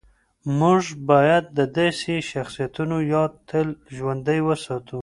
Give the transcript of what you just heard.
موږ باید د داسې شخصیتونو یاد تل ژوندی وساتو.